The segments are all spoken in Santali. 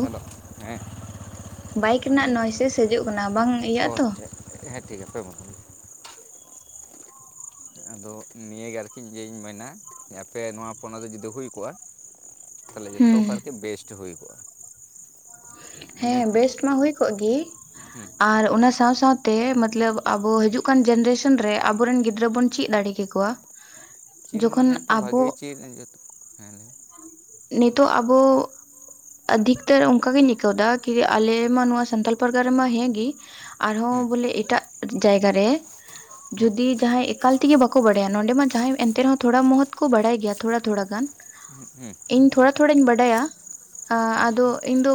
ᱦᱮᱞᱳ, ᱦᱮᱸ᱾ ᱵᱟᱭᱤᱠ ᱨᱮᱱᱟᱜ ᱢᱮᱱᱫᱟᱹᱧ ᱱᱚᱭᱥᱮᱥ ᱦᱤᱡᱩᱝ ᱠᱟᱱᱟ ᱵᱟᱝ ᱚ ᱤᱭᱟᱹᱜ ᱟ ᱛᱚ ᱦᱮᱸ ᱴᱷᱤᱠ ᱜᱮᱭᱟ ᱛᱟᱵᱚᱱ ᱟᱫᱚ ᱱᱤᱭᱟᱹᱜᱮ ᱟᱨᱠᱤ ᱤᱧ ᱢᱮᱱᱼᱟ ᱟᱯᱮ ᱱᱚᱣᱟ ᱯᱚᱱᱚᱫ ᱨᱮ ᱡᱩᱫᱤ ᱦᱩᱭ ᱠᱚᱜᱼᱟ ᱛᱟᱦᱚᱞᱮ ᱡᱚᱛᱚ ᱦᱩᱸ ᱜᱮ ᱟᱨᱠᱤ ᱵᱮᱥᱴ ᱦᱩᱭ ᱠᱚᱜᱼᱟ᱾ ᱢᱟᱱᱮ ᱦᱮᱸ ᱵᱮᱥᱴ ᱢᱟ ᱦᱩᱭ ᱠᱚᱜ ᱜᱮ ᱦᱮᱸ ᱟᱨ ᱚᱱᱟ ᱥᱟᱶ ᱥᱟᱶᱛᱮ ᱢᱚᱛᱞᱚᱵ ᱟᱵᱚ ᱦᱤᱡᱩᱜ ᱠᱟᱱ ᱡᱱᱟᱨᱮᱥᱚᱱ ᱨᱮ ᱟᱵᱚᱨᱮᱱ ᱜᱤᱫᱽᱨᱟᱹ ᱵᱚᱱ ᱪᱮᱫ ᱫᱟᱲᱮ ᱠᱮᱠᱚᱣᱟ ᱪᱤᱱ ᱡᱚᱠᱷᱚᱱ ᱢᱟᱱᱮ ᱛᱚ ᱟᱵᱚ ᱵᱷᱟᱜᱮ ᱪᱮᱫ ᱡᱚᱛᱚ ᱱᱤᱛᱚᱜ ᱟᱵᱚ ᱟᱹᱰᱤᱠᱴᱟ ᱚᱱᱠᱟ ᱜᱤᱧ ᱟᱹᱭᱠᱟᱹᱣ ᱫᱟ ᱠᱤ ᱟᱞᱮ ᱢᱟ ᱱᱚᱣᱟ ᱥᱟᱱᱛᱟᱞ ᱯᱟᱨᱜᱟᱱᱟ ᱨᱮᱢᱟ ᱦᱮᱸᱜᱮ ᱟᱨᱦᱚᱸ ᱦᱮᱸ ᱵᱚᱞᱮ ᱮᱴᱟᱜ ᱡᱟᱭᱜᱟ ᱨᱮ ᱦᱮᱸ ᱡᱩᱫᱤ ᱡᱟᱦᱟᱸᱭ ᱮᱠᱟᱞ ᱛᱮᱜᱮ ᱵᱟᱠᱚ ᱵᱟᱲᱟᱭᱟ ᱱᱚᱰᱮᱢᱟ ᱮᱱᱛᱮ ᱨᱮᱦᱚᱸ ᱛᱷᱚᱨᱟ ᱢᱚᱦᱚᱛ ᱠᱚ ᱵᱟᱲᱟᱭ ᱜᱮᱭᱟ ᱛᱷᱚᱲᱟ ᱛᱷᱚᱲᱟ ᱜᱟᱱ᱾ ᱦᱩᱸ ᱤᱧ ᱛᱷᱚᱲᱟ ᱛᱷᱚᱲᱟᱧ ᱵᱟᱰᱟᱭᱟ ᱦᱮᱸ ᱟᱫᱚ ᱤᱧ ᱫᱚ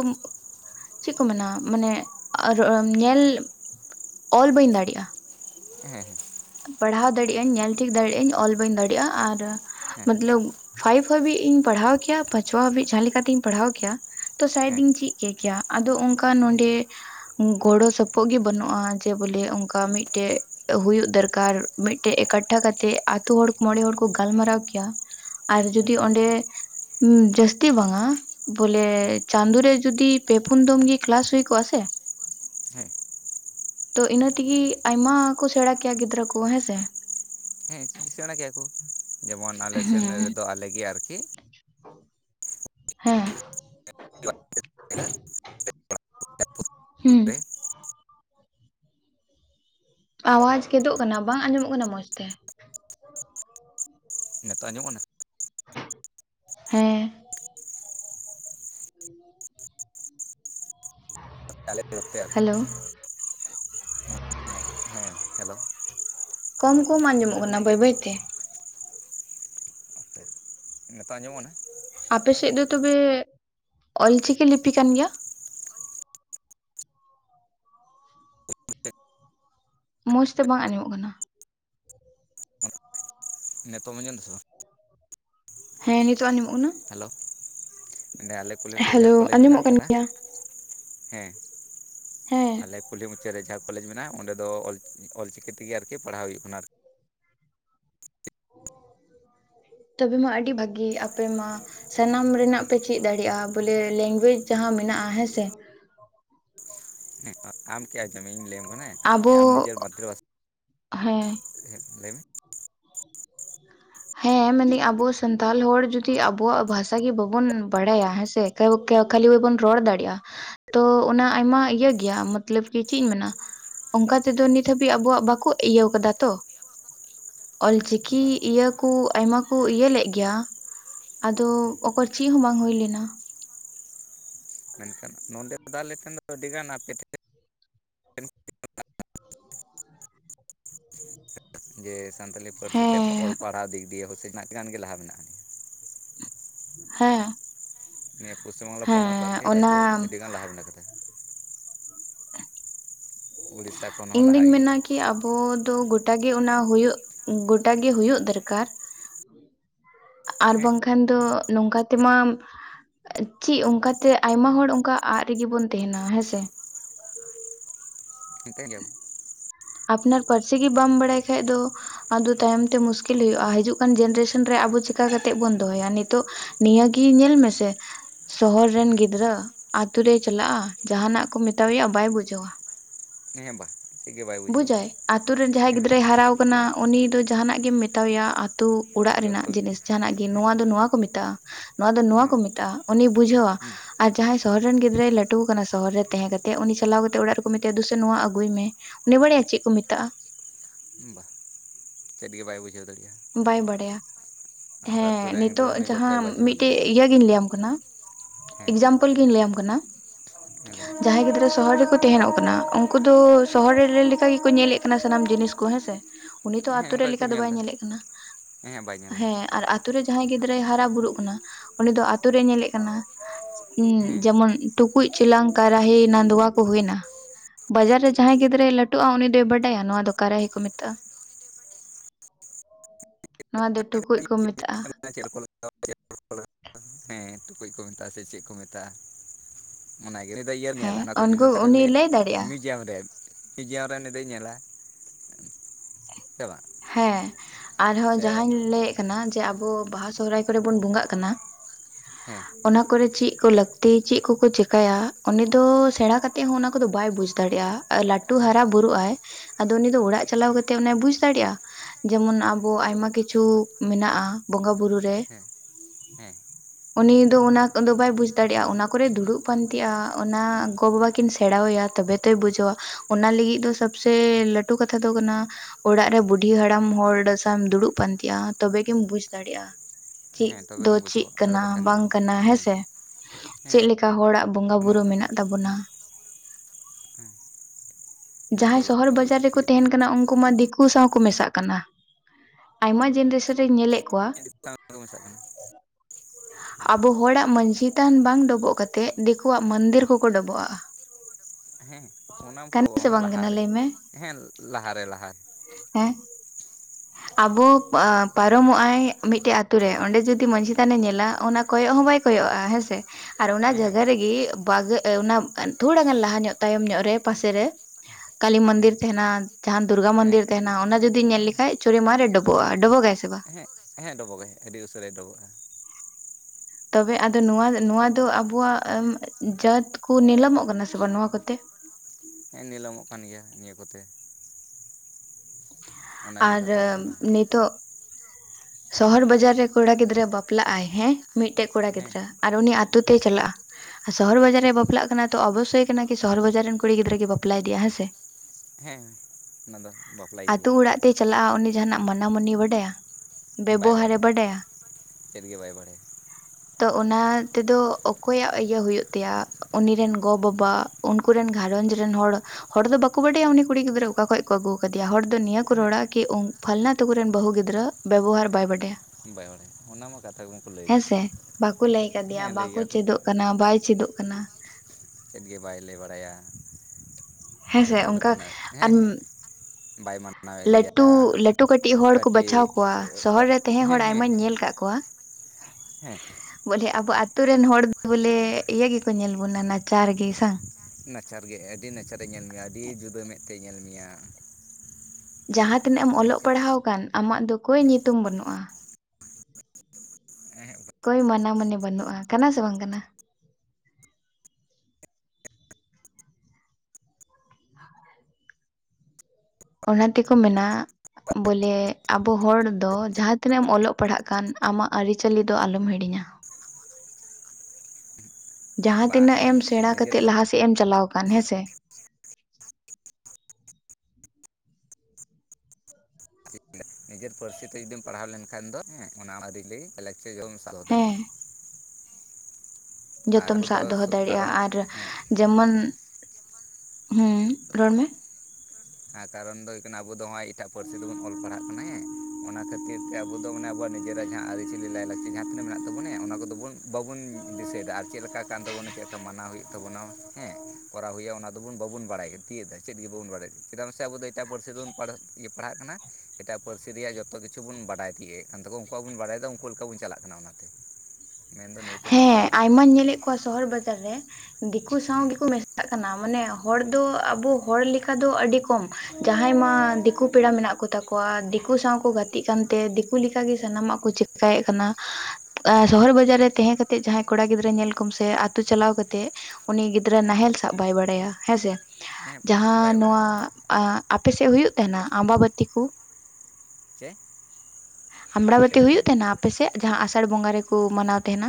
ᱪᱮᱫ ᱠᱚ ᱢᱮᱱᱟ ᱢᱟᱱᱮ ᱟᱫᱚ ᱧᱮᱞ ᱚᱞ ᱵᱟᱹᱧ ᱫᱟᱲᱮᱭᱼᱟ ᱦᱮᱸ ᱯᱟᱲᱦᱟᱣ ᱫᱟᱲᱮᱟᱹᱧ ᱧᱮᱞ ᱴᱷᱤᱠ ᱫᱟᱲᱮᱟᱹᱧ ᱚᱞ ᱵᱟᱹᱧ ᱫᱟᱲᱮᱼᱟ ᱟᱨ ᱦᱮᱸ ᱢᱚᱛᱞᱚᱵ ᱯᱷᱟᱭᱤᱵᱽ ᱦᱟᱹᱵᱤᱡ ᱤᱧ ᱯᱟᱲᱦᱟᱣ ᱠᱮᱭᱟ ᱯᱟᱸᱪᱷᱚ ᱦᱟᱹᱵᱤᱡ ᱡᱟᱦᱟᱸ ᱞᱮᱠᱟᱛᱮ ᱤᱧ ᱯᱟᱲᱦᱟᱣ ᱠᱮᱭᱟ ᱛᱚ ᱥᱟᱤᱰ ᱦᱮᱸ ᱤᱧ ᱡᱷᱤᱡ ᱠᱮᱜ ᱜᱮᱭᱟ ᱟᱫᱚ ᱚᱱᱠᱟ ᱦᱮᱸ ᱱᱚᱰᱮ ᱜᱚᱲᱚ ᱥᱚᱯᱦᱚᱫ ᱜᱮ ᱵᱟᱹᱱᱩᱜᱼᱟ ᱡᱮ ᱵᱚᱞᱮ ᱚᱱᱠᱟ ᱢᱤᱫᱴᱮᱡ ᱦᱩᱭᱩᱜ ᱫᱚᱨᱠᱟᱨ ᱠᱟᱨ ᱢᱤᱫᱴᱮᱡ ᱠᱟᱴᱷᱟ ᱠᱟᱛᱮᱫ ᱟᱛᱩ ᱦᱚᱲ ᱢᱚᱬᱮ ᱦᱚᱲ ᱠᱚ ᱜᱟᱞᱢᱟᱨᱟᱣ ᱠᱮᱭᱟ ᱟᱨ ᱡᱩᱫᱤ ᱚᱸᱰᱮ ᱡᱟᱹᱥᱛᱤ ᱵᱟᱝᱼᱟ ᱵᱚᱞᱮ ᱪᱟᱸᱫᱳ ᱨᱮ ᱡᱩᱫᱤ ᱯᱮ ᱯᱩᱱ ᱫᱚᱢ ᱜᱮ ᱠᱮᱞᱟᱥ ᱦᱩᱭ ᱠᱚᱜᱼᱟ ᱥᱮ ᱦᱮᱸ ᱛᱚ ᱤᱱᱟᱹ ᱛᱮᱜᱮ ᱟᱭᱢᱟ ᱠᱚ ᱥᱮᱬᱟ ᱠᱮᱭᱟ ᱜᱤᱫᱽᱨᱟᱹ ᱠᱚ ᱦᱮᱸᱥᱮ ᱦᱮᱸ ᱥᱮᱬᱟ ᱠᱮᱭᱟ ᱠᱚ ᱡᱮᱢᱚᱱ ᱟᱞᱮ ᱥᱮᱱ ᱦᱮᱸ ᱨᱮᱫᱚ ᱟᱞᱮᱜᱮ ᱟᱨᱠᱤ ᱦᱮᱸ [unintelligible] ᱨᱮ ᱦᱩᱸ ᱟᱣᱟᱡᱽ ᱜᱮᱫᱚᱜ ᱠᱟᱱᱟ ᱵᱟᱝ ᱟᱸᱡᱚᱢᱚᱜ ᱠᱟᱱᱟ ᱢᱚᱸᱡᱽ ᱛᱮ ᱱᱤᱛᱚᱜ ᱟᱡᱚᱢᱚᱜ ᱠᱟᱱᱟ ᱦᱮᱸ [unintelligible] ᱟᱞᱮ ᱱᱚᱛᱮ ᱟᱨᱠᱤ ᱦᱮᱞᱳ ᱦᱮᱸ ᱦᱮᱸ ᱦᱮᱞᱳ ᱠᱚᱢ ᱠᱚᱢ ᱤᱧᱟᱹᱜ ᱟᱸᱡᱚᱢᱚᱜ ᱫᱚ ᱠᱟᱱᱟ ᱢᱮᱱᱟᱜ ᱵᱟᱹᱭ ᱜᱮᱭᱟ ᱵᱟᱹᱭ ᱛᱮ ᱱᱤᱛᱚᱜ ᱟᱸᱡᱚᱢᱚᱜ ᱠᱟᱱᱟ? ᱟᱯᱮ ᱥᱮᱫ ᱫᱚ ᱛᱚᱵᱮ ᱚᱞᱪᱤᱠᱤ ᱞᱤᱯᱤ ᱠᱟᱱ ᱜᱮᱭᱟ ᱢᱚᱸᱡᱽ ᱛᱮ ᱵᱟᱝ ᱟᱸᱡᱚᱢᱚᱜ ᱠᱟᱱᱟ᱾ ᱱᱤᱛᱚ ᱟᱹᱡᱚᱢ ᱫᱟ ᱥᱮ ᱵᱟᱝ? ᱦᱮᱸ ᱱᱤᱛᱚᱜ ᱟᱡᱚᱢᱜ ᱠᱟᱱᱟ ᱦᱮᱞᱳ ᱟᱞᱮ [unintelligible] ᱦᱮᱞᱳ ᱡᱟᱦᱟᱸ ᱠᱚᱞᱮᱡᱽ ᱢᱮᱱᱟᱜ ᱟᱸᱡᱚᱢᱚᱜ ᱠᱟᱱ ᱟᱠᱟᱫᱟ ᱜᱮᱭᱟ ᱦᱮᱸ ᱦᱮᱸ ᱟᱞᱮ ᱠᱩᱞᱦᱤ ᱢᱩᱪᱼᱼ ᱨᱮ ᱡᱟᱦᱟᱸ ᱠᱚᱞᱮᱡᱽ ᱢᱮᱱᱟᱜᱼᱟ ᱚᱸᱰᱮ ᱫᱚ ᱚᱞ ᱚᱞᱪᱤᱠᱤ ᱛᱮᱜᱮ ᱟᱨᱠᱤ ᱯᱟᱲᱦᱟᱣ ᱦᱩᱭᱩᱜ ᱠᱟᱱᱟ ᱟᱨᱠᱤ [inaudible] ᱛᱚᱵᱮ ᱢᱟ ᱟᱹᱰᱤ ᱵᱷᱟᱹᱜᱤ ᱟᱯᱮ ᱢᱟ ᱥᱟᱱᱟᱢ ᱨᱮᱱᱟᱜ ᱯᱮ ᱪᱮᱫ ᱫᱟᱲᱮᱭᱟᱜᱼᱟ ᱵᱚᱞᱮ ᱞᱮᱝᱜᱩᱭᱮᱡᱽ ᱡᱟᱦᱟᱸ ᱢᱮᱱᱟᱜᱼᱟ ᱦᱮᱸ ᱥᱮ ᱟᱢ ᱠᱤ ᱟᱡᱸᱡᱚᱢᱮ ᱤᱧ ᱞᱟᱹᱭᱟᱢ ᱠᱟᱱᱟ ᱦᱮᱸ, ᱡᱮ ᱟᱵᱚ ᱟᱢ ᱱᱤᱡᱮᱨ ᱢᱟᱛᱨᱤ ᱵᱷᱟᱥᱟ ᱦᱮᱸ ᱱᱤᱛᱚᱜ ᱜᱮ ᱦᱮᱡᱱᱟ ᱞᱟᱹᱭ ᱢᱮ ᱦᱮᱸ ᱢᱮᱱᱫᱟᱹᱧ ᱟᱵᱚ ᱥᱟᱱᱛᱟᱞ ᱦᱚᱲ ᱡᱩᱚᱫᱤ ᱟᱵᱚᱣᱟᱜ ᱵᱷᱟᱥᱟᱤ ᱵᱟᱵᱩᱱ ᱵᱟᱲᱟᱭᱟ ᱦᱮᱸᱥᱮ ᱦᱮᱸ ᱵᱟᱠᱷᱟᱱ ᱠᱷᱟᱞᱤ ᱵᱚᱱ ᱨᱚᱲ ᱫᱟᱲᱮᱭᱟᱜᱼᱟ ᱛᱚ ᱚᱱᱟ ᱟᱭᱢᱟ ᱤᱭᱟᱹ ᱜᱮᱭᱟ ᱢᱚᱛᱞᱚᱵ ᱠᱤ ᱪᱮᱫ ᱤᱧ ᱢᱮᱱᱟ ᱚᱱᱠᱟ ᱛᱮᱫᱚ ᱱᱤᱛ ᱦᱟᱹᱵᱤᱡ ᱟᱵᱚᱣᱟᱜ ᱵᱟᱠᱚ ᱤᱭᱟᱹᱣ ᱠᱟᱫᱟ ᱛᱚ ᱚᱞᱪᱤᱠᱤ ᱵᱟ ᱤᱭᱟᱹ ᱠᱚ ᱟᱭᱢᱟ ᱠᱚ ᱤᱭᱟᱹ ᱞᱮᱫ ᱜᱮᱭᱟ ᱟᱫᱚ ᱚᱠᱟ ᱪᱮᱫ ᱦᱚᱸ ᱵᱟᱝ ᱦᱩᱭ ᱞᱮᱱᱟ ᱢᱮᱱᱠᱷᱟᱱ ᱱᱚᱸᱰᱮ ᱫᱚ ᱟᱞᱮ ᱴᱷᱮᱱ ᱫᱚ ᱟᱹᱰᱤᱜᱟᱱ ᱟᱯᱮ ᱴᱷᱮᱱ ᱡᱮ ᱥᱟᱱᱛᱟᱞᱤ ᱯᱟᱹᱨᱥᱤ ᱛᱮ ᱦᱮᱸ ᱚᱞ ᱯᱟᱲᱦᱟᱣ ᱫᱤᱠ ᱫᱤᱭᱮ ᱦᱚᱸ ᱥᱮ ᱜᱟᱱ ᱜᱮ ᱞᱟᱦᱟ ᱢᱮᱱᱟᱜᱼᱟ ᱦᱮᱸ ᱱᱤᱭᱟᱹ ᱯᱚᱥᱪᱤᱢ ᱵᱟᱝᱞᱟ ᱯᱚᱱᱚᱛ ᱦᱮᱸ ᱟᱨᱠᱤ ᱚᱱᱟ ᱨᱟᱡᱽᱡᱚ ᱟᱹᱰᱤ ᱜᱟᱱ ᱞᱟᱦᱟ ᱨᱮᱱᱟᱜ ᱠᱟᱛᱷᱟ ᱠᱟᱱᱟ ᱩᱲᱤᱥᱥᱟ ᱠᱷᱚᱱ ᱦᱚᱸ ᱤᱧ ᱞᱟᱦᱟ ᱫᱩᱧ ᱜᱮᱭᱟ ᱢᱮᱱᱟ ᱠᱤ ᱟᱵᱚ ᱫᱚ ᱜᱚᱴᱟ ᱜᱮ ᱚᱱᱟ ᱦᱩᱭᱩᱜ ᱜᱚᱴᱟ ᱜᱮ ᱦᱩᱭᱩᱜ ᱫᱚᱨᱠᱟᱨ ᱟᱨ ᱦᱮᱸ ᱵᱟᱝᱠᱷᱟᱱ ᱫᱚ ᱱᱚᱝᱠᱟ ᱛᱮᱢᱟ ᱪᱮᱫ ᱚᱝᱠᱟᱛᱮ ᱟᱭᱢᱟ ᱦᱚᱲ ᱚᱝᱠᱟ ᱟᱜ ᱨᱮᱜᱮ ᱵᱚᱱ ᱛᱟᱦᱮᱱᱟ ᱦᱮᱸᱥᱮ ᱱᱤᱛᱟᱹ ᱜᱮᱭᱟᱵᱚᱱ ᱟᱯᱱᱟᱨ ᱯᱟᱹᱨᱥᱤ ᱜᱮ ᱵᱟᱢ ᱵᱟᱲᱟᱭ ᱠᱷᱟᱡ ᱫᱚ ᱟᱫᱚ ᱛᱟᱭᱚᱢ ᱛᱮ ᱢᱩᱥᱠᱤᱞ ᱦᱩᱭᱩᱜᱼᱟ ᱦᱤᱡᱩᱜ ᱠᱟᱱ ᱡᱮᱱᱟᱨᱮᱥᱚᱱ ᱨᱮ ᱟᱵᱚ ᱪᱤᱠᱟ ᱠᱟᱛᱮᱜ ᱵᱚᱱ ᱫᱚᱦᱚᱭᱟ ᱱᱤᱛᱚᱜ ᱱᱤᱭᱟᱹᱜᱮ ᱧᱮᱞ ᱢᱮ ᱥᱮ ᱥᱚᱦᱚᱨ ᱨᱮᱱ ᱜᱤᱫᱽᱨᱟᱹ ᱟᱛᱳ ᱨᱮᱭ ᱪᱟᱞᱟᱜᱼᱟ ᱡᱟᱦᱱᱟᱜ ᱠᱚ ᱢᱮᱛᱟᱣᱮᱭᱟ ᱵᱟᱭ ᱵᱩᱡᱷᱟᱹᱣᱟ ᱱᱤᱭᱟᱹ [unintelligible] ᱵᱩᱡᱟᱭ ᱟᱛᱩ ᱨᱮᱱ ᱡᱟᱦᱟᱸᱭ ᱦᱮᱸ ᱵᱟ ᱜᱤᱫᱽᱨᱟᱹᱭ ᱦᱟᱨᱟ ᱟᱠᱟᱱᱟ ᱩᱱᱤ ᱫᱚ ᱡᱟᱦᱟᱱᱟᱜ ᱜᱮᱢ ᱢᱮᱛᱟᱣᱟᱭᱟ ᱛᱳ ᱚᱲᱟᱜ ᱨᱮᱱᱟᱜ ᱡᱚᱛᱚ ᱜᱮ ᱡᱤᱱᱤᱥ ᱡᱟᱦᱱᱟᱜ ᱜᱮ ᱱᱚᱣᱟ ᱫᱚ ᱱᱚᱣᱟ ᱠᱚ ᱢᱮᱛᱟᱜᱼᱟ ᱱᱚᱣᱟ ᱫᱚ ᱱᱚᱣᱟ ᱦᱮᱸ ᱠᱚ ᱢᱮᱛᱟᱜᱼᱟ ᱩᱱᱤ ᱵᱩᱡᱷᱟᱹᱣᱟ ᱟᱨ ᱡᱟᱦᱟᱸᱭ ᱥᱚᱦᱚᱨ ᱨᱮᱱ ᱜᱤᱫᱽᱨᱟᱹᱭ ᱞᱟᱹᱴᱩ ᱟᱠᱟᱱᱟ ᱥᱚᱦᱚᱨ ᱨᱮ ᱛᱟᱦᱮᱸ ᱠᱟᱛᱮᱮᱫ ᱩᱱᱤ ᱪᱟᱞᱟᱣ ᱠᱟᱛᱮᱜ ᱚᱲᱟᱜ ᱨᱮᱠᱚ ᱢᱮᱛᱟᱭᱟ ᱫᱩᱥᱮ ᱱᱚᱶᱟ ᱟᱹᱜᱩᱭ ᱢᱮ ᱱᱮᱵᱟᱲᱟᱭᱟ ᱪᱮᱫ ᱠᱚ ᱢᱮᱛᱟᱜᱼᱟ ᱵᱟᱜ, ᱪᱮᱫ ᱜᱮ ᱵᱟᱭ ᱵᱩᱡᱷᱟᱹᱣ ᱫᱟᱲᱮᱭᱟᱜᱼᱟ ᱵᱟᱭ ᱵᱟᱲᱟᱭᱟ ᱟᱨ ᱦᱮᱸ ᱟᱛᱳ ᱨᱮᱱ ᱜᱤᱫᱽᱨᱟᱹ ᱱᱤᱛᱚᱜ ᱩᱱᱤ ᱡᱚᱛᱚᱭ ᱡᱟᱦᱟᱸ ᱵᱩᱡᱷᱟᱹᱣ ᱢᱤᱫᱴᱮᱡ ᱫᱟᱲᱮᱭᱟᱜᱼᱟ ᱤᱭᱟᱹ ᱜᱤᱧ ᱞᱟᱹᱭᱟᱢ ᱠᱟᱱᱟ ᱮᱠᱡᱟᱢᱯᱮᱞ ᱜᱤᱧ ᱞᱟᱹᱭᱟᱢ ᱠᱟᱱᱟ ᱦᱮᱸ ᱞᱟᱹᱭ ᱢᱮ ᱡᱟᱦᱟᱸᱭ ᱜᱤᱫᱽᱨᱟᱹ ᱥᱚᱦᱚᱨ ᱨᱮᱠᱚ ᱛᱟᱦᱮᱱᱚᱜ ᱠᱟᱱᱟ ᱩᱱᱠᱩ ᱫᱚ ᱥᱚᱦᱚᱨ ᱨᱮ ᱞᱮᱠᱟ ᱜᱮᱠᱚ ᱧᱮᱞᱮᱫ ᱠᱟᱱᱟ ᱥᱟᱱᱟᱢ ᱡᱤᱱᱤᱥ ᱠᱚ ᱦᱮᱸᱥᱮ ᱩᱱᱤ ᱛᱚ ᱦᱮᱸ ᱦᱮᱸ ᱟᱛᱳ ᱨᱮ ᱚᱱᱠᱟ ᱜᱮᱠᱚ ᱞᱮᱠᱟ ᱫᱚ ᱵᱟᱭ ᱧᱮᱞᱫᱟ ᱧᱮᱞᱮᱫ ᱠᱟᱱᱟ ᱦᱮᱸ ᱵᱟᱭ ᱧᱮᱞᱫᱟ ᱦᱮᱸ ᱟᱨ ᱟᱛᱳ ᱨᱮ ᱡᱟᱦᱟᱸᱭ ᱜᱤᱫᱽᱨᱟᱹᱭ ᱦᱟᱨᱟ ᱵᱩᱨᱩᱜ ᱠᱟᱱᱟ ᱩᱱᱤ ᱫᱚ ᱟᱛᱳᱨᱮᱭ ᱧᱮᱞᱮᱫ ᱠᱟᱱᱟ ᱦᱮᱸ ᱡᱮᱢᱚᱱ ᱴᱩᱠᱩᱡ ᱪᱮᱞᱟᱝ ᱠᱟᱨᱟᱦᱤ ᱱᱟᱫᱽᱣᱟ ᱠᱚ ᱦᱩᱭᱱᱟ ᱵᱟᱡᱟᱨ ᱨᱮ ᱡᱟᱦᱟᱸᱭ ᱜᱤᱫᱽᱨᱟᱹᱭ ᱞᱟᱹᱴᱩᱜᱼᱟ ᱩᱱᱤ ᱫᱚᱭ ᱵᱟᱰᱟᱭᱟ ᱱᱚᱣᱟ ᱫᱚᱠᱟᱨᱮ ᱦᱚᱸ ᱠᱚ ᱢᱮᱛᱟᱜᱼᱟ ᱱᱚᱣᱟ ᱫᱚ ᱴᱩᱠᱩᱡ ᱠᱚ ᱢᱮᱛᱟᱜᱼᱟ [unintelligible] ᱦᱮᱸ ᱴᱩᱠᱩᱡ ᱠᱚ ᱢᱮᱛᱟᱜᱼᱟ ᱥᱮ ᱪᱮᱫ ᱠᱚ ᱢᱮᱛᱟᱜᱼᱟ ᱚᱱᱟᱜᱮ, ᱱᱚᱛᱮ ᱫᱚ ᱤᱭᱟᱹᱢ ᱦᱮᱸ ᱧᱮᱞᱟ ᱚᱱᱟ ᱠᱚ ᱡᱩᱫᱟᱹ ᱩᱱᱠᱩ ᱠᱟᱨᱮ ᱩᱱᱤ ᱞᱟᱹᱭ [unintelligible] ᱫᱟᱲᱮᱭᱟᱜᱼᱟ ᱢᱤᱭᱡᱤᱭᱟᱢ ᱨᱮ ᱢᱤᱭᱩᱡᱤᱭᱟᱢ ᱨᱮ ᱩᱱᱤ ᱩᱱᱤ ᱫᱚᱭ ᱧᱮᱞᱟ ᱥᱮ ᱵᱟᱝ ᱦᱮᱸ ᱟᱨᱦᱚᱸ ᱥᱮ ᱡᱟᱦᱧ ᱞᱟᱹᱭᱮᱫ ᱠᱟᱱᱟ ᱡᱮ ᱟᱵᱚ ᱵᱟᱦᱟ ᱥᱚᱦᱨᱟᱭ ᱠᱚᱨᱮ ᱵᱚᱱ ᱵᱚᱸᱜᱟᱜ ᱠᱟᱱᱟ ᱦᱮᱸ ᱚᱱᱟᱠᱚᱨᱮ ᱪᱮᱫᱠᱚ ᱞᱟᱹᱠᱛᱤ ᱪᱮᱫ ᱠᱚᱠᱚ ᱪᱮᱤᱠᱟᱭᱟ ᱩᱱᱤ ᱫᱚ ᱥᱮᱬᱟ ᱠᱟᱛᱮᱫ ᱦᱚᱸ ᱚᱱᱟ ᱠᱚᱫᱚ ᱵᱟᱭ ᱵᱩᱡᱽ ᱫᱟᱲᱮᱭᱟᱜᱼᱟ ᱞᱟᱟᱹᱴᱩ ᱦᱮᱸ ᱦᱟᱨᱟ ᱵᱩᱨᱩᱜ ᱟᱭ ᱟᱫᱚ ᱩᱱᱤ ᱫᱚ ᱚᱲᱟᱜ ᱪᱟᱞᱟᱣ ᱠᱟᱛᱮᱜ ᱚᱱᱟᱭ ᱵᱩᱡ ᱫᱟᱲᱮᱭᱟᱜᱼᱟ ᱡᱮᱢᱚᱱ ᱟᱵᱳ ᱪᱮᱫ? ᱟᱭᱢᱟ ᱠᱤᱪᱷᱩ ᱢᱮᱱᱟᱜᱼᱟ ᱵᱚᱸᱜᱟ ᱵᱩᱨᱩ ᱨᱮ ᱦᱮ ᱩᱱᱤ ᱫᱚ ᱚᱱᱟᱫᱚ ᱵᱟᱭ ᱵᱩᱡ ᱫᱟᱲᱮᱭᱟᱜᱼᱟ ᱚᱱᱟᱠᱨᱮ ᱫᱩᱲᱩᱵ ᱯᱟᱱᱛᱤᱜᱼᱟ, ᱚᱱᱟ ᱜᱚ ᱵᱟᱵᱟ ᱠᱤᱱ ᱥᱮᱬᱟᱶ ᱟᱭᱟ ᱛᱚᱵᱮ ᱵᱩᱡᱷᱟᱹᱣᱟ ᱚᱱᱟ ᱞᱟᱹᱜᱤᱫ ᱫᱚ ᱥᱟᱵᱥᱮ ᱞᱟᱹᱴᱩ ᱠᱟᱛᱷᱟ ᱫᱚ ᱠᱟᱱᱟ ᱚᱲᱟᱜ ᱨᱮ ᱵᱩ ᱵᱩᱰᱤ ᱦᱟᱲᱟᱢ ᱦᱚᱲ ᱥᱟᱢ ᱫᱩᱲᱩᱵ ᱯᱟᱱᱛᱮ-ᱟ ᱛᱚᱵᱮ ᱜᱮᱢ ᱵᱩᱡ ᱫᱟᱲᱮᱜᱼᱟ᱾ ᱪᱮᱫ ᱦᱮᱸ ᱫᱚ ᱛᱚᱵᱮᱜᱮᱢ ᱪᱮᱫ ᱵᱩᱡᱷᱟᱹᱣᱟ ᱟᱨ ᱠᱟᱱᱟ ᱵᱟᱠᱷᱟᱱ ᱫᱚ ᱵᱟᱝ ᱠᱟᱱᱟ ᱦᱮᱸ ᱦᱮᱸᱥᱮ ᱦᱮᱸ ᱪᱮᱜ ᱞᱮᱠᱟ ᱦᱚᱲᱟᱜ ᱵᱚᱸᱜᱟ ᱚᱱᱟ ᱢᱟ ᱵᱩᱨᱩ ᱠᱟᱱᱟ ᱢᱮᱱᱟᱜ ᱛᱟᱵᱚᱱᱟ ᱦᱮᱸ ᱡᱚᱛᱚ ᱡᱟᱦᱟᱸᱭ ᱥᱚᱦᱚᱨ ᱞᱮᱠᱟᱢ ᱵᱩᱡᱽ ᱵᱟᱡᱟᱨ ᱨᱮᱠᱚ ᱛᱤᱭᱳᱜ ᱛᱟᱦᱮᱱ ᱠᱟᱱᱟ ᱩᱱᱠᱩ ᱢᱟ ᱫᱤᱠᱩ ᱥᱟᱶ ᱠᱚ ᱢᱮᱥᱟᱜ ᱠᱟᱱᱟ ᱟᱭᱢᱟ ᱡᱱᱟᱨᱮᱥᱚᱱ ᱨᱮᱧ ᱧᱮᱞᱮᱫ ᱠᱚᱣᱟ᱾ ᱠᱚ ᱢᱮᱥᱟᱜ ᱠᱟᱱᱟ [inaudible] ᱠᱚᱣᱟ ᱟᱵᱚ ᱦᱚᱲᱟᱜ ᱢᱟᱺᱡᱷᱤ ᱛᱷᱟᱱ ᱵᱟᱝ ᱰᱚᱵᱚᱜ ᱠᱟᱛᱮᱜ ᱫᱤᱠᱩᱣᱟᱜ ᱢᱟᱹᱱᱫᱤᱨ ᱠᱚᱠᱚ ᱰᱚᱵᱚᱜᱼᱟ᱾ ᱦᱮᱸ ᱠᱟᱱᱟ ᱥᱮ ᱚᱱᱟ ᱵᱟᱝ ᱠᱟᱱᱟ ᱞᱟᱦᱟᱨᱮ ᱞᱟᱹᱭ ᱢᱮ ᱦᱮᱸ ᱞᱟᱦᱟᱨᱮ ᱞᱟᱦᱟᱨᱮ ᱦᱮᱸ ᱟᱵᱚ ᱯᱟᱨᱚᱢᱚᱜ ᱟᱭ ᱢᱤᱫᱴᱮᱡ ᱟᱹᱛᱩ ᱨᱮ ᱚᱸᱰᱮ ᱡᱩᱫᱤ ᱢᱟᱺᱡᱷᱤ ᱛᱷᱟᱱᱮ ᱧᱮᱞᱟ, ᱚᱱᱟ ᱠᱚᱭᱚᱜ ᱦᱚᱸ ᱵᱟᱭ ᱠᱚᱭᱚᱜᱼᱟ ᱦᱮᱸᱥᱮ ᱟᱨ ᱚᱱᱟ ᱦᱮᱸ ᱦᱮᱸ ᱡᱟᱭᱜᱟ ᱵᱟᱝ ᱨᱮᱜᱮ ᱵᱟᱜ ᱚᱱᱟ ᱛᱷᱚᱲᱟ ᱜᱟᱱ ᱞᱟᱦᱟ ᱧᱚᱜ ᱛᱟᱭᱚᱢ ᱧᱚᱜ ᱨᱮ ᱯᱟᱥᱮᱨᱮ ᱠᱟᱞᱤ ᱦᱮᱸ ᱢᱚᱱᱫᱤᱨ ᱛᱟᱦᱮᱱᱟ ᱡᱟᱦᱟᱸᱟᱱ ᱫᱩᱨᱜᱟ ᱦᱮᱸ ᱢᱚᱱᱫᱤᱨ ᱛᱟᱦᱮᱱᱟ ᱚᱱᱟ ᱡᱩᱫᱤ ᱧᱮᱞ ᱞᱮᱠᱷᱟᱡ ᱪᱩᱨᱤᱢᱟᱨᱮ ᱰᱚᱵᱚᱜᱼᱟ ᱰᱚᱵᱚᱜᱟᱭ ᱥᱮ ᱵᱟᱝ ᱦᱮᱸ ᱦᱮᱸ ᱰᱚᱵᱚᱜ ᱟᱭ ᱟᱹᱰᱤ ᱩᱥᱟᱹᱨᱟᱹᱭ ᱰᱚᱵᱚᱜᱼᱟ᱾ ᱛᱚᱵᱮ ᱟᱫᱚ ᱱᱚᱣᱟ ᱱᱚᱣᱟ ᱫᱚ ᱟᱵᱩᱣᱟᱜ ᱡᱟᱹᱛ ᱠᱚ ᱱᱤᱞᱚᱢᱚᱜ ᱠᱟᱱᱟ ᱥᱮ ᱵᱟᱝ ᱱᱚᱣᱟ ᱠᱚᱛᱮ ᱱᱤᱞᱚᱢᱚᱜ ᱠᱟᱱ ᱜᱮᱭᱟ ᱱᱤᱭᱟᱹ ᱠᱚᱛᱮ ᱚᱱᱟᱜᱮ ᱟᱨ ᱠᱟᱛᱷᱟ ᱠᱟᱱᱟ ᱱᱤᱛᱚᱜ ᱥᱚᱦᱚᱨ ᱵᱟᱡᱟᱨ ᱨᱮ ᱠᱚᱲᱟ ᱜᱤᱫᱽᱨᱟᱹ ᱵᱟᱯᱞᱟᱜ ᱟᱭ ᱦᱮᱸ ᱢᱤᱫᱴᱮᱡ ᱠᱚᱲᱟ ᱦᱮᱸ ᱜᱤᱫᱽᱨᱟᱹ ᱟᱨ ᱩᱱᱤ ᱟᱛᱳ ᱛᱮᱭ ᱦᱮᱸ ᱪᱟᱞᱟᱜᱼᱟ ᱥᱚᱦᱚᱨ ᱵᱟᱡᱟᱨ ᱨᱮ ᱵᱟᱯᱞᱟᱜ ᱠᱟᱱᱟ ᱛᱚ ᱚᱵᱚᱥᱥᱳᱭ ᱠᱟᱱᱟ ᱠᱤ ᱥᱚᱦᱚᱨᱵᱟᱡᱟᱨ ᱨᱮᱱ ᱠᱩᱲᱤ ᱜᱤᱫᱽᱨᱟᱹ ᱵᱟᱯᱞᱟ ᱤᱫᱤᱜ ᱦᱮᱸ ᱥᱮ ᱦᱮᱸ ᱚᱱᱟ ᱫᱚ ᱵᱟᱯᱞᱟᱭ ᱜᱮ ᱛᱮ ᱪᱟᱞᱟᱜᱼᱟ ᱩᱱᱤ ᱡᱟᱦᱟᱱᱟᱜ ᱢᱟᱱᱟᱢᱚᱱᱤᱭ ᱵᱟᱰᱟᱭᱟ ᱵᱟᱭ ᱵᱮᱵᱚᱦᱟᱨᱮ ᱵᱟᱲᱟᱭᱟ ᱵᱟᱰᱟᱭᱟ ᱪᱮᱫ ᱜᱮ ᱵᱟᱭ ᱵᱟᱲᱟᱭᱟ ᱛᱚ ᱚᱱᱟ ᱛᱮᱫᱚ ᱚᱠᱚᱭᱟᱜ ᱤᱭᱟᱹ ᱦᱩᱭᱩᱜ ᱛᱟᱭᱟ ᱩᱱᱤᱭᱟᱠ ᱜᱚ ᱵᱟᱵᱟᱜ ᱩᱱᱠᱩᱨᱮᱱ ᱜᱷᱟᱨᱚᱧᱡᱽ ᱨᱮᱱ ᱦᱚᱲ ᱫᱚ ᱵᱟᱠᱚ ᱵᱟᱰᱟᱭᱟ ᱩᱱᱤ ᱠᱩᱲᱤ ᱜᱤᱫᱽᱨᱟᱹ ᱚᱠᱟ ᱠᱷᱚᱱᱚᱡ ᱠᱚ ᱟᱹᱜᱩ ᱟᱠᱟᱫᱮᱭᱟ ᱦᱚᱲ ᱫᱚ ᱱᱤᱭᱟᱹ ᱠᱚ ᱮᱦᱮᱸᱜ ᱨᱚᱲᱟ ᱠᱤ ᱯᱷᱟᱞᱱᱟ ᱛᱟᱠᱚ ᱨᱮᱱᱮᱱ ᱵᱟᱹᱦᱩ ᱜᱤᱫᱽᱨᱟᱹ ᱵᱮᱵᱚᱦᱟᱨ ᱵᱟᱭ ᱵᱟᱰᱟᱭᱟ᱾ ᱵᱟᱭ ᱵᱟᱲᱟᱭᱟ ᱚᱱᱟ ᱢᱟ ᱠᱟᱛᱷᱟ ᱢᱟᱠᱚ ᱞᱟᱹᱭ ᱜᱮ ᱦᱮᱸᱥᱮ ᱵᱟᱠᱚ ᱞᱟᱹᱭ ᱠᱟᱫᱮᱭᱟ ᱦᱮᱸ ᱞᱟᱹᱭ ᱵᱟᱠᱚ ᱜᱮᱭᱟ ᱠᱚ ᱪᱮᱫᱚᱜ ᱠᱟᱱᱟ ᱵᱟᱭ ᱪᱮᱫᱚᱜ ᱠᱟᱱᱟ ᱪᱮᱫ ᱜᱮ ᱵᱟᱭ ᱞᱮᱟᱹᱭ ᱵᱟᱲᱟᱭᱟ ᱦᱮᱸᱥᱮ ᱡᱚᱛᱚ ᱚᱱᱠᱟ ᱞᱮᱠᱟᱱᱟᱜ ᱦᱮᱸ ᱟᱨ ᱦᱮ ᱵᱟᱭ ᱢᱟᱱ ᱚᱱᱟᱭ ᱞᱟᱹᱴᱩ ᱞᱮᱭᱟ ᱞᱟᱹᱴᱩ ᱦᱚᱲ ᱠᱚ ᱠᱟᱹᱴᱤᱡ ᱵᱟᱪᱷᱟᱣ ᱠᱚᱣᱟ ᱥᱚᱦᱚᱨ ᱨᱮ ᱛᱟᱦᱮᱸ ᱦᱮᱸ ᱦᱚᱲ ᱦᱮᱸ ᱟᱭᱢᱟᱧ ᱧᱮᱞ ᱟᱠᱟᱫ ᱠᱚᱣᱟ [unintelligible] ᱦᱮᱸ ᱵᱚᱞᱮ ᱟᱵᱚ ᱟᱹᱛᱩ ᱨᱮᱱ ᱦᱚᱲ ᱫᱚ ᱵᱚᱞᱮ ᱤᱭᱟᱹ ᱜᱮᱠᱚ ᱧᱮᱞ ᱵᱚᱱᱟ ᱱᱟᱪᱟᱨ ᱜᱮ ᱥᱮ ᱦᱟᱝ ᱱᱟᱪᱟᱨ ᱜᱮ ᱟᱹᱰᱤ ᱱᱟᱪᱟᱨᱮ ᱧᱮᱞ ᱢᱮᱭᱟ ᱟᱹᱰᱤ ᱡᱩᱫᱟᱹ ᱢᱮᱫ ᱛᱮᱭ ᱧᱮᱞ ᱢᱮᱭᱟ ᱡᱟᱦᱟᱸ ᱛᱤᱱᱟᱹᱜ ᱮᱢ ᱚᱞᱚᱜ ᱢᱮᱱᱠᱷᱟᱱ ᱯᱟᱲᱦᱟᱣ ᱟᱠᱟᱱ ᱟᱢᱟᱜ ᱫᱚ ᱠᱳᱭ ᱧᱩᱛᱩᱢ ᱵᱟᱹᱱᱩᱜᱼᱟ᱾ ᱮᱦᱮᱸᱜ ᱠᱳᱭ ᱢᱟᱱᱟ ᱢᱟᱹᱱᱤ ᱵᱟᱹᱱᱩᱜᱼᱟ ᱠᱟᱱᱟ ᱥᱮ ᱵᱟᱝ ᱠᱟᱱᱟ? ᱚᱱᱟ ᱛᱮᱠᱚ ᱢᱮᱱᱟ ᱵᱚᱞᱮ ᱟᱵᱚ ᱦᱚᱲ ᱫᱚ ᱡᱟᱦᱟ ᱛᱤᱱᱟᱹᱜ ᱮᱢ ᱚᱞᱚᱜ ᱯᱟᱲᱦᱟᱜ ᱠᱟᱱ ᱟᱢᱟᱜ ᱟᱹᱨᱤᱪᱟᱹᱞᱤ ᱫᱚ ᱟᱞᱚᱢ ᱦᱤᱲᱤᱧᱟ᱾ ᱡᱟᱦᱟᱸ ᱵᱟ ᱛᱤᱱᱟᱹᱜ ᱟᱸᱡᱚᱢ ᱮᱢ ᱢᱮ ᱥᱮᱬᱟ ᱱᱤᱡᱮᱨ ᱠᱟᱛᱮᱜ ᱞᱟᱦᱟᱥᱮᱫ ᱮᱢ ᱪᱟᱞᱟᱣ ᱟᱠᱟᱱ ᱯᱟᱹᱨᱥᱤ ᱦᱮᱸᱥᱮ ᱱᱤᱡᱮᱨ ᱯᱟᱹᱨᱥᱤ ᱛᱮ ᱡᱩᱫᱤᱢ ᱯᱟᱲᱦᱟᱣ ᱞᱮᱱᱠᱷᱟᱱ ᱫᱚ ᱦᱮᱸ ᱚᱱᱟ [unintelligible] ᱪᱮᱜ ᱜᱮ ᱵᱟᱢ ᱥᱟᱞᱟ ᱫᱟᱲᱤᱜᱼᱟ ᱦᱮᱸ ᱟᱨ ᱡᱚᱛᱚᱢ ᱟᱵᱚ ᱫᱚ ᱥᱟᱵ ᱫᱚᱦᱚ ᱫᱟᱲᱮᱜᱼᱟ ᱠᱟᱨᱚᱱ ᱟᱨ ᱦᱮᱸ ᱡᱮᱢᱚᱱ ᱦᱩᱸ ᱨᱚᱲ ᱢᱮ ᱠᱟᱨᱚᱱ ᱫᱚ ᱦᱩᱭᱩᱜ ᱠᱟᱱᱟ ᱟᱵᱚ ᱫᱚᱜ ᱮᱴᱟᱜ ᱯᱟᱹᱨᱥᱤ ᱛᱮᱵᱚᱱ ᱚᱞ ᱯᱟᱲᱦᱟᱜ ᱠᱟᱱᱟ ᱦᱮᱸ᱾ ᱚᱱᱟ ᱠᱷᱟᱹᱛᱤᱨ ᱛᱮ ᱟᱵᱚ ᱫᱚ ᱢᱟᱱᱮ ᱟᱵᱚᱣᱟᱜ ᱱᱤᱡᱮᱨᱟᱜ ᱡᱟᱦᱟᱸ ᱟᱹᱨᱤᱪᱟᱹᱞᱤ ᱞᱟᱭᱞᱟᱠᱪᱟᱨ ᱡᱟᱦᱟᱸ ᱛᱤᱱᱟᱹᱜ ᱢᱮᱱᱟᱜ ᱛᱟᱵᱚᱱᱟ ᱚᱱᱟ ᱠᱚᱫᱚᱵᱚᱱ ᱵᱟᱵᱚᱱ ᱫᱤᱥᱟᱹᱭᱮᱫᱟ ᱟᱨ ᱪᱮᱫᱠ ᱠᱟᱱ ᱛᱟᱵᱚᱱᱟ ᱪᱮᱫ ᱞᱮᱠᱟ ᱢᱟᱱᱟᱣ ᱦᱩᱭᱩᱜᱼᱟ ᱛᱟᱵᱚᱱᱟ ᱦᱮᱸ ᱠᱚᱨᱟᱣ ᱦᱩᱭᱩᱜᱼᱟ ᱚᱱᱟ ᱫᱚᱵᱚᱱ ᱵᱟᱵᱚᱱ ᱵᱟᱲᱟᱭ ᱜᱮ ᱛᱤᱭᱳ ᱫᱟ ᱪᱮᱫ ᱜᱮ ᱵᱟᱵᱚᱱ ᱵᱟᱲᱟᱭ ᱪᱮᱫᱟᱜ ᱢᱟᱥᱮ ᱟᱵᱚ ᱫᱚ ᱮᱴᱟᱜ ᱯᱟᱹᱨᱥᱤ ᱛᱮᱵᱚᱱ ᱯᱟᱲᱚ ᱯᱟᱲᱦᱟᱜ ᱠᱟᱱᱟ ᱮᱴᱟᱜ ᱯᱟᱹᱨᱥᱤ ᱨᱮᱭᱟᱜ ᱡᱚᱛᱚ ᱠᱤᱪᱩ ᱵᱚᱱ ᱵᱟᱰᱟᱭ ᱛᱤᱭᱮᱫ ᱠᱟᱱ ᱛᱟᱠᱚᱣᱟ ᱩᱱᱠᱩᱣᱟᱜ ᱵᱚᱱ ᱵᱟᱰᱟᱭᱮᱫᱟ ᱩᱱᱠᱩ ᱞᱮᱠᱟ ᱵᱚᱱ ᱪᱟᱞᱟᱜ ᱠᱟᱱᱟ ᱚᱱᱟᱛᱮ᱾ ᱢᱮᱱᱫᱚ ᱱᱤᱭᱟᱹ ᱛᱟᱵᱚᱱ ᱦᱮᱸ ᱯᱨᱚᱵᱞᱮᱢ ᱟᱭᱢᱟᱧ ᱧᱮᱞᱮᱫ ᱠᱚᱣᱟ ᱥᱚᱦᱚᱨ ᱵᱟᱡᱟᱨ ᱨᱮ ᱫᱤᱠᱩ ᱥᱟᱶ ᱦᱩᱸ ᱜᱮᱠᱚ ᱢᱮᱥ ᱢᱮᱛᱟᱜ ᱠᱟᱱᱟ ᱢᱟᱱᱮ ᱦᱚᱲ ᱫᱚ ᱟᱵᱚ ᱦᱚᱲ ᱞᱮᱠᱟ ᱫᱚ ᱟᱹᱰᱤ ᱠᱚᱢ ᱡᱟᱦᱟᱸᱭ ᱦᱩᱸ ᱯᱮᱲᱟ ᱢᱮᱱᱟᱜ ᱠᱚ ᱛᱟᱠᱚᱣᱟ ᱥᱟᱶ ᱠᱚ ᱜᱟᱛᱮᱜ ᱠᱟᱱᱛᱮ ᱞᱮᱠᱟᱜᱮ ᱥᱟᱱᱟᱢᱟᱜ ᱠᱚ ᱪᱮᱠᱟᱭᱮᱫ ᱠᱟᱱᱟ ᱢᱟ ᱫᱤᱠᱩ ᱯᱮᱲᱟ ᱢᱮᱱᱟᱜ ᱠᱚ ᱛᱟᱠᱚᱣᱟ ᱫᱤᱠᱩ ᱥᱟᱶ ᱠᱚ ᱜᱟᱛᱮᱜ ᱠᱟᱱᱛᱮ ᱫᱤᱠᱩ ᱞᱮᱠᱟᱜ ᱜᱮ ᱥᱟᱱᱟᱢᱟᱜ ᱠᱚ ᱪᱮᱠᱟᱭᱮᱫ ᱠᱟᱱᱟ᱾ ᱦᱮᱸ ᱥᱚᱦᱚᱨ ᱵᱟᱡᱟᱨ ᱨᱮ ᱛᱟᱦᱮᱸ ᱠᱟᱛᱮᱜ ᱡᱟᱦᱟᱸᱭ ᱠᱚᱲᱟ ᱜᱤᱫᱽᱨᱟᱹ ᱧᱮᱞ ᱠᱚᱢ ᱥᱮ ᱟᱹᱛᱩ ᱪᱟᱞᱟᱣ ᱠᱟᱛᱮᱜ ᱩᱱᱤ ᱜᱤᱫᱽᱨᱟᱹ ᱦᱮᱸ ᱱᱟᱦᱮᱞ ᱥᱟᱵ ᱵᱟᱭ ᱵᱟᱲᱟᱭᱟ ᱦᱮᱸ ᱥᱮ ᱦᱮᱸ ᱵᱟᱭ ᱡᱟᱦᱟᱸ ᱵᱟᱲᱟᱭᱟ ᱱᱚᱣᱟ ᱟᱯᱮᱥᱮᱜ ᱦᱩᱭᱩᱜ ᱛᱟᱦᱮᱱᱟ ᱟᱢᱵᱟᱵᱟᱹᱛᱤ ᱠᱩ? ᱪᱮᱫ [inaudible] ᱟᱢᱵᱽᱲᱟ ᱪᱮᱫ ᱵᱟᱹᱛᱤ ᱜᱟᱛᱮ ᱦᱩᱭᱩᱜ ᱛᱟᱦᱮᱱᱟ᱾ ᱟᱯᱮ ᱥᱮᱫ ᱡᱟᱦᱟᱸ ᱟᱥᱟᱲ ᱵᱚᱸᱜᱟ ᱨᱮᱠᱚ ᱢᱟᱱᱟᱣ ᱛᱟᱦᱮᱱᱟ᱾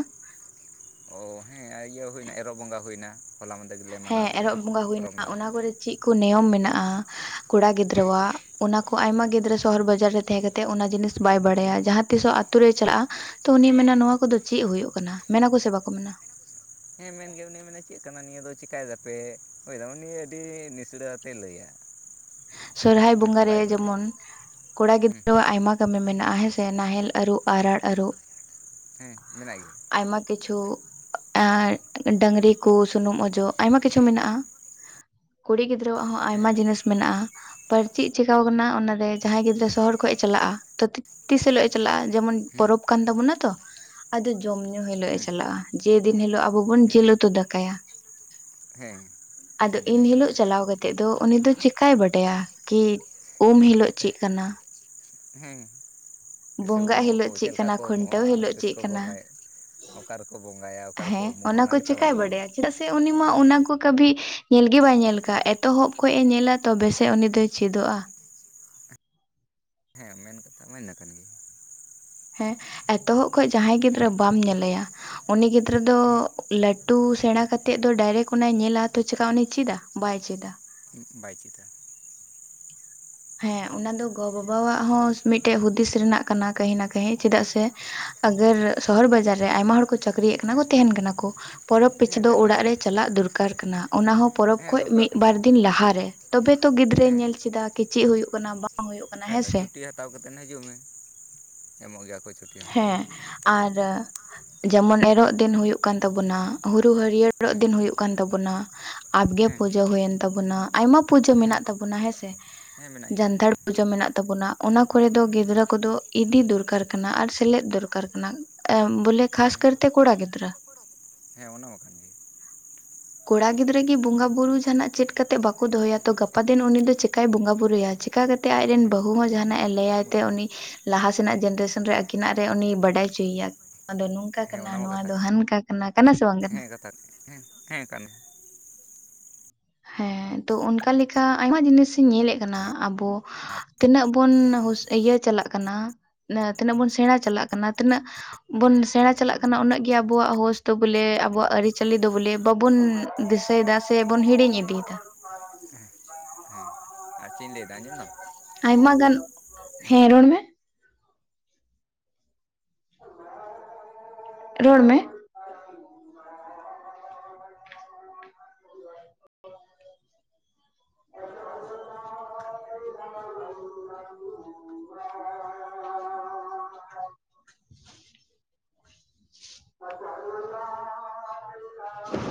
ᱚᱻ ᱦᱮᱸ ᱤᱭᱟᱹ ᱦᱩᱭᱮᱱᱟ ᱮᱨᱚᱜ ᱵᱚᱸᱜᱟ ᱦᱩᱭᱮᱱᱟ ᱦᱚᱞᱟ ᱢᱟᱫᱮ ᱜᱮᱞᱮ ᱢᱟᱱᱟᱣ ᱦᱮᱸ ᱠᱮᱫᱟ ᱮᱨᱚᱜ ᱵᱚᱸᱜᱟ ᱦᱩᱭᱱᱟ ᱯᱚᱨᱚᱵᱽ ᱱᱟᱞᱮ᱾ ᱚᱱᱟ ᱠᱚᱨᱮ ᱪᱮᱫ ᱠᱚ ᱱᱤᱭᱚᱢ ᱢᱮᱱᱟᱜᱼᱟ ᱠᱚᱲᱟ ᱜᱤᱫᱽᱨᱟᱹᱣᱟᱜ ᱚᱱᱟ ᱠᱚ ᱟᱭᱢᱟ ᱦᱮᱸ ᱜᱤᱫᱽᱨᱟᱹ? ᱥᱚᱦᱚᱨ ᱵᱟᱡᱟᱨ ᱨᱮ ᱛᱟᱦᱮᱸ ᱠᱟᱛᱮ ᱚᱱᱟ ᱡᱤᱱᱤᱥ ᱵᱟᱭ ᱵᱟᱲᱟᱭᱟ ᱡᱟᱦᱟᱸ ᱛᱤᱥᱚᱦ ᱟᱛᱳ ᱨᱮᱭ ᱪᱟᱞᱟᱜᱼᱟ᱾ ᱛᱚ ᱩᱱᱤᱭᱮ ᱢᱮᱱᱟ ᱱᱚᱣᱟ ᱠᱚᱫᱚ ᱪᱮᱫ ᱦᱩᱭᱩᱜᱭ ᱠᱟᱱᱟ ᱢᱮᱱᱟ ᱠᱚ ᱥᱮ ᱵᱟᱠᱚ ᱢᱮᱱᱟ? ᱦᱮᱸ ᱢᱮᱱᱜᱮ ᱩᱱᱤᱭ ᱢᱮᱱᱟ ᱪᱮᱫ ᱠᱟᱱᱟ ᱱᱤᱭᱟᱹ ᱫᱚ ᱪᱠᱟᱭ ᱫᱟᱯᱮ ᱟ ᱩᱱᱤ ᱟᱹᱰᱤ ᱱᱤᱥᱲᱟᱹ ᱟᱛᱮ ᱞᱟᱹᱭᱟ᱾ ᱥᱚᱨᱚᱦᱦᱟᱭ ᱵᱚᱸᱜᱟ ᱦᱳᱭᱫᱚᱢ ᱨᱮ ᱵᱟᱭ ᱵᱩᱡᱽ ᱡᱮᱢᱚᱱ ᱫᱟᱲᱮᱭᱟᱜᱼᱟ ᱠᱚᱲᱟ ᱦᱮᱸ ᱜᱤᱫᱽᱨᱟᱹ ᱦᱚᱸ ᱟᱭᱢᱟ ᱠᱟᱹᱢᱤ ᱢᱮᱱᱟᱜᱼᱟ ᱦᱮᱸᱥᱮ ᱱᱟᱦᱮᱞ ᱟᱹᱨᱩᱵ ᱟᱨᱟᱲ ᱟᱹᱨᱩᱵ ᱦᱮᱸ ᱢᱮᱱᱟᱜ ᱜᱮᱭᱟ᱾ ᱟᱭᱢᱟ ᱠᱤᱪᱷᱩ ᱟᱨ ᱰᱟᱝᱨᱤ ᱠᱚ ᱥᱩᱱᱩᱢ ᱚᱡᱚᱜ ᱟᱭᱢᱟ ᱠᱤᱪᱷᱩ ᱢᱮᱱᱟᱜᱼᱟ᱾ ᱠᱩᱲᱤ ᱜᱤᱫᱽᱨᱟᱹᱣᱟᱜ ᱦᱚᱸ ᱟᱭᱢᱟ ᱦᱮᱸ ᱡᱤᱱᱤᱥ ᱢᱮᱱᱟᱜᱼᱟ ᱪᱮᱫ ᱪᱮᱠᱟᱣ ᱟᱠᱟᱱᱟ ᱚᱱᱟᱨᱮ ᱦᱮᱸ ᱡᱟᱦᱟᱸᱭ ᱜᱤᱫᱽᱨᱟᱹ ᱥᱚᱦᱚᱨ ᱠᱷᱭ ᱮ ᱪᱟᱞᱟᱜᱼᱟ ᱛᱚ ᱛᱤᱥ ᱦᱤᱞᱳᱜ ᱮ ᱪᱟᱞᱟᱜᱼᱟ ᱡᱮᱢᱚᱱ ᱦᱮᱸ ᱯᱚᱨᱚᱵᱽ ᱠᱟᱱ ᱛᱟᱵᱚᱱᱟ ᱛᱚ ᱟᱫᱚ ᱡᱚᱢ ᱧᱩ ᱦᱤᱞᱳᱜ ᱮ ᱦᱮᱸ ᱪᱟᱞᱟᱜᱼᱟ ᱡᱮᱫᱤᱱ ᱦᱤᱞᱳᱜ ᱟᱵᱚ ᱵᱚᱱ ᱦᱮᱸ ᱡᱤᱞ ᱩᱛᱩ ᱫᱟᱠᱟᱭᱟ᱾ ᱦᱮᱸ ᱟᱫᱚ ᱤᱱ ᱥᱮᱫᱤᱱᱮ ᱦᱤᱞᱚᱜ ᱪᱟᱞᱟᱜᱼᱟ ᱪᱟᱞᱟᱣ ᱠᱟᱛ ᱛᱮ ᱫᱚ ᱩᱱᱤ ᱫᱚ ᱪᱤᱠᱟᱭ ᱵᱟᱰᱟᱭᱟ ᱠᱤ ᱩᱢ ᱦᱤᱞᱚᱜ ᱪᱮᱫ ᱠᱟᱱᱟ? ᱦᱮᱸ ᱛᱤᱥᱮ ᱵᱚᱸᱜᱟᱜ ᱩᱢᱩᱜ ᱟᱠᱚ ᱦᱤᱞᱳᱜ ᱪᱮᱫ ᱠᱟᱱᱟ ᱞᱮᱠᱟ ᱠᱚ ᱠᱷᱩᱱᱴᱟᱹᱣ ᱩᱢᱩᱜᱼᱟ ᱦᱤᱞᱳᱜ ᱛᱤᱥ ᱪᱮᱫ ᱠᱚ ᱠᱟᱱᱟ ᱵᱚᱸᱜᱟᱭ? ᱚᱠᱟ ᱨᱮᱠᱚ ᱵᱚᱸᱜᱟᱭᱟ, ᱚᱠᱟ ᱨᱮᱠᱚ ᱦᱮᱸ ᱩᱢᱩᱜᱼᱟ ᱠᱚ ᱚᱱᱟ ᱜᱮᱛᱚ ᱪᱮᱠᱟᱭ ᱵᱟᱭ ᱵᱟᱲᱟᱭᱟ᱾ ᱵᱟᱰᱟᱭᱟ ᱪᱮᱫᱟᱜ ᱥᱮ ᱩᱱᱤ ᱢᱟ ᱚᱱᱟ ᱠᱚ ᱠᱟᱹᱵᱷᱤ ᱧᱮᱞ ᱜᱮ ᱵᱟᱭ ᱧᱮᱞ ᱠᱟᱜᱼᱟ ᱮᱛᱚᱦᱚᱵ ᱠᱷᱚᱱ ᱮ ᱧᱮᱞᱟ ᱛᱚᱵᱮ ᱥᱮ ᱩᱱᱤ ᱫᱚᱭ ᱪᱮᱫᱚᱜᱼᱟ᱾ ᱦᱮᱸ ᱢᱮᱱ ᱠᱟᱛᱷᱟ ᱤᱱᱟᱹ ᱠᱟᱱ ᱜᱮᱭ ᱦᱮᱸ ᱮᱛᱚᱦᱚᱵ ᱠᱷᱚᱱ ᱡᱟᱦᱟᱸᱭ ᱜᱤᱫᱽᱨᱟᱹ ᱵᱟᱢ ᱧᱮᱞᱮᱭᱟ ᱩᱱᱤ ᱜᱤᱫᱽᱨᱟᱹ ᱫᱚ ᱦᱮᱸ ᱞᱟᱹᱴᱩ ᱥᱮᱬᱟ ᱠᱟᱛᱮᱫ ᱫᱚ ᱰᱟᱭᱨᱮᱠ ᱚᱱᱟᱭ ᱧᱮᱞᱟ ᱛᱚ ᱪᱮᱠᱟ ᱩᱱᱤ ᱪᱮᱫᱟ ᱵᱟᱭ ᱪᱮᱫᱟ᱾ [unintelligible] ᱵᱟᱭ ᱪᱮᱫᱟ ᱦᱮᱸ ᱚᱱᱟ ᱫᱚ ᱜᱚ ᱵᱟᱵᱟᱣᱟᱜ ᱦᱚᱸ ᱢᱤᱫ ᱴᱮᱱ ᱦᱩᱫᱤᱥ ᱨᱮᱱᱟᱜ ᱠᱟᱱᱟ, ᱠᱟᱹᱦᱤᱱᱟ ᱠᱟᱹᱦᱤᱸ ᱪᱮᱫᱟᱜ ᱥᱮ ᱟᱜᱚᱨ ᱥᱚᱦᱚᱨ ᱵᱟᱡᱟᱨ ᱨᱮ ᱟᱭᱢᱟ ᱦᱚᱲ ᱠᱚ ᱪᱟᱹᱠᱨᱤᱭᱮᱫ ᱠᱟᱱᱟ ᱠᱚ ᱦᱮᱸ ᱛᱟᱦᱮᱱ ᱠᱟᱱᱟ ᱠᱚ᱾ ᱯᱚᱨᱚᱵᱽ ᱯᱤᱪᱷᱩ ᱦᱮᱸ ᱫᱚ ᱛᱟᱦᱮᱱ ᱠᱟᱱ ᱚᱲᱟᱜ ᱨᱮ ᱜᱮᱭᱟ ᱪᱟᱞᱟᱜ ᱫᱚᱨᱠᱟᱨ ᱠᱟᱱᱟ ᱚᱱᱟᱦᱚᱸ ᱯᱚᱨᱚᱵ ᱦᱮᱸ ᱠᱷᱚᱱ ᱫᱚᱨᱠᱟᱨ ᱢᱤᱫ ᱠᱟᱱᱟ ᱵᱟᱨ ᱫᱤᱱ ᱞᱟᱦᱟᱨᱮ᱾ ᱛᱚᱵᱮ ᱛᱚ ᱜᱤᱫᱽᱨᱟᱹᱭ ᱦᱮᱸ ᱧᱮᱞ ᱪᱮᱫᱟ ᱪᱮᱫ ᱦᱩᱭᱩᱜ ᱠᱟᱱᱟ, ᱵᱟᱝ ᱦᱩᱭᱩᱜ ᱠᱟᱱᱟ ᱵᱟᱠᱷᱟᱡ ᱫᱚ ᱦᱮᱸᱥᱮ ᱪᱷᱩᱴᱤ ᱦᱟᱛᱟᱣ ᱠᱟᱛᱮᱫ ᱦᱤᱡᱩᱜ ᱢᱮ ᱮᱢᱚᱜ ᱜᱮᱭᱟ ᱠᱚ ᱪᱷᱩᱴᱤ᱾ ᱦᱚᱸ ᱦᱮᱸ ᱟᱨ ᱡᱮᱢᱚᱱ ᱮᱨᱚᱜ ᱫᱤᱱ ᱦᱩᱭᱩᱜ ᱠᱟᱱ ᱛᱟᱵᱚᱱᱟ ᱦᱩᱨᱩ ᱦᱟᱹᱨᱭᱟᱹᱲ ᱮᱨᱚᱜ ᱦᱮᱸ ᱫᱤᱱ ᱦᱩᱭᱩᱜ ᱠᱟᱱ ᱛᱟᱵᱚᱱᱟ ᱟᱯᱜᱮ ᱦᱮᱸ ᱯᱩᱡᱟᱹ ᱦᱳᱮᱱ ᱛᱟᱵᱩᱱᱟ᱾ ᱟᱭᱢᱟ ᱯᱩᱡᱟᱹ ᱦᱮᱸ ᱢᱮᱱᱟᱜ ᱛᱟᱵᱚᱱᱟ ᱦᱮᱸ ᱥᱮ ᱦᱮᱸ ᱢᱮᱱᱟᱜ ᱜᱮᱭᱟ ᱡᱟᱱᱛᱷᱟᱲ ᱯᱩᱡᱟᱹ ᱢᱮᱱᱟᱜ ᱛᱟᱵᱚᱱᱟ ᱚᱱᱟ ᱠᱚᱨᱮ ᱫᱚ ᱜᱤᱫᱽᱨᱟᱹ ᱠᱚᱫᱚ ᱤᱫᱤ ᱫᱚᱨᱠᱟᱨ ᱠᱟᱱᱟ ᱟᱨ ᱥᱮᱞᱮᱫ ᱫᱚᱨᱠᱟᱨ ᱠᱟᱱᱟ ᱟ ᱵᱚᱞᱮ ᱠᱷᱟᱥ ᱦᱮᱸ ᱦᱮᱸ ᱠᱟᱨ ᱛᱮ ᱠᱚᱲᱟ ᱜᱤᱫᱽᱨᱟᱹ ᱦᱮᱸ ᱚᱱᱟᱢᱟ ᱠᱟᱱᱟᱱ ᱜᱮ ᱠᱚᱲᱟ ᱜᱤᱫᱽᱨᱟᱹ ᱜᱮ ᱵᱚᱸᱜᱟ ᱵᱩᱨᱩ ᱡᱟᱦᱟᱱᱟᱜ ᱪᱮᱫ ᱠᱟᱛᱮᱜ ᱵᱟᱠᱚ ᱫᱚᱦᱚᱭᱟ ᱛᱚ ᱜᱟᱯᱟ ᱫᱤᱱ ᱩᱱᱤ ᱫᱚ ᱪᱤᱠᱟᱭ ᱵᱚᱸᱜᱟ ᱵᱩᱨᱩᱭᱟ ᱪᱮᱠᱟᱹ ᱠᱟᱛᱮ ᱛᱮ ᱟᱡᱨᱮᱱ ᱦᱮᱸ ᱵᱟᱹᱦᱩ ᱦᱚᱸ ᱡᱟᱦᱟᱱᱟᱜ ᱮ ᱞᱟᱹᱭᱟᱭ ᱛᱮ ᱩᱱᱤ ᱞᱟᱦᱟ ᱥᱮᱱᱟᱜ ᱡᱮᱱᱟᱨᱮᱥᱚᱱ ᱨᱮ ᱟᱹᱠᱤᱱᱟᱜ ᱨᱮ ᱩᱱᱤ ᱵᱟᱰᱟᱭ ᱦᱚᱪᱚᱭᱮᱭᱟ ᱱᱚᱶᱟ ᱫᱚ ᱱᱚᱝᱠᱟ ᱦᱮᱸ ᱠᱟᱱᱟ ᱚᱱᱟ ᱢᱟ ᱱᱚᱶᱟ ᱠᱟᱛᱷᱟ ᱫᱚ ᱦᱟᱱᱠᱟ ᱠᱟᱱᱟ ᱠᱟᱱᱟ ᱥᱮ ᱵᱟᱝ ᱠᱟᱱᱟ ᱦᱮᱸ ᱠᱟᱛᱷᱟ ᱦᱮᱸ ᱦᱮᱸ ᱠᱟᱱᱮ ᱦᱮᱸ ᱛᱚ ᱚᱱᱠᱟ ᱞᱮᱠᱟ ᱟᱭᱢᱟ ᱡᱤᱱᱤᱥᱤᱧ ᱧᱮᱞᱮᱫ ᱠᱟᱱᱟ ᱚᱱᱟ ᱟᱵᱚ ᱟᱨ ᱛᱤᱱᱟᱹᱜ ᱵᱚᱱ ᱤᱭᱟᱹ ᱪᱟᱞᱟᱜ ᱠᱟᱱᱟ ᱛᱤᱱᱟᱹᱜ ᱵᱚᱱ ᱥᱮᱬᱟ ᱪᱟᱞᱟᱜ ᱠᱟᱱᱟ ᱛᱤᱱᱟᱹᱜ ᱵᱚᱱ ᱥᱮᱬᱟ ᱪᱟᱞᱟᱜ ᱠᱟᱱᱟ ᱩᱱᱟᱹᱜ ᱜᱮ ᱟᱵᱚᱣᱟᱜ ᱦᱚᱳᱥ ᱫᱚ ᱵᱚᱞᱮ ᱟᱵᱚᱣᱟᱜ ᱟᱹᱨᱤᱪᱟᱹᱞᱤ ᱫᱚ ᱵᱚᱞᱮ ᱵᱟᱵᱚᱱ ᱫᱤᱥᱟᱹᱭᱮᱫᱟ ᱥᱮ ᱵᱚᱱ ᱦᱤᱲᱤᱧ ᱤᱫᱤᱭᱮᱫᱟ ᱦᱮᱸ ᱟᱨ ᱪᱮᱫ ᱤᱧ ᱞᱟᱹᱭᱮᱫᱟ ᱟᱸᱡᱚᱢ ᱫᱟᱢ? ᱟᱭᱢᱟ ᱜᱟᱱ ᱦᱮᱸ ᱨᱚᱲ ᱢᱮ ᱨᱚᱲ ᱢᱮ [inaudible]